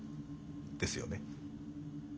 ですよね？